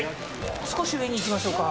もう少し上に行きましょうか。